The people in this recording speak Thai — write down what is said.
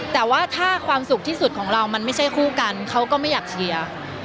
แต่ว่าถ้าความสุขที่สุดของเรามันไม่ใช่คู่กันเขาก็ไม่อยากเชียร์